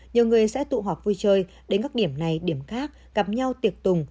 nhiều người sẽ tụ họp vui chơi đến các điểm này điểm khác gặp nhau tiệc tùng